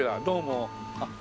どうも。